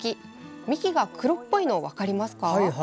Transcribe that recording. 幹が黒っぽいの、分かりますか？